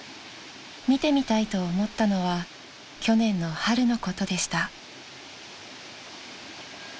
［見てみたいと思ったのは去年の春のことでした］